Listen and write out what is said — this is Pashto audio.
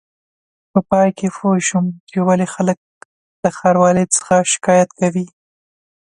په پای کې پوه شوم چې ولې خلک له ښاروالۍ څخه شکایت کوي.